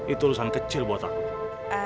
itu urusan kecil buat aku